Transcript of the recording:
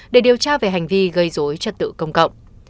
để điều tra về hành vi gây dối trật tự công cộng